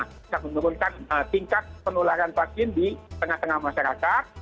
bisa menurunkan tingkat penularan vaksin di tengah tengah masyarakat